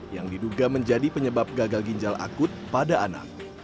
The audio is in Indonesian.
yang diduga menjadi penyebab gagal ginjal akut pada anak